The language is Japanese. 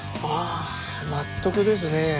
ああ納得ですね。